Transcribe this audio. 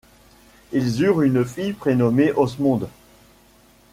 Ils eurent une fille prénommée Osmonde.